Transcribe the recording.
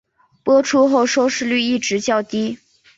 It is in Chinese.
播出后收视率一直较低。